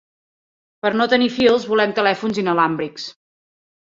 Per no tenir fils volem telèfons “inalàmbrics”.